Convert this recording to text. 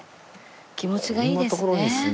気持ちがいいですね。